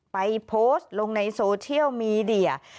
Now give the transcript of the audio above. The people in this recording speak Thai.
ไปโพสต์ลงในโซเชียลมีเดีย